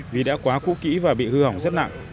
vì đã quá cũ kỹ và bị hư hỏng rất nặng